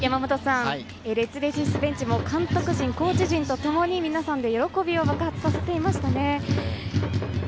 ベンチも監督陣、コーチ陣とともに皆さん、喜びを爆発させていました。